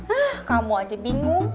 eh kamu aja bingung